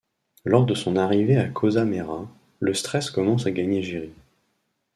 Lors de son arrivée à Cosamera, le stress commence à gagner Gerry.